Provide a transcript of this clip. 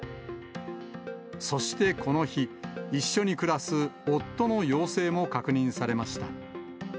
そしてこの日、一緒に暮らす夫の陽性も確認されました。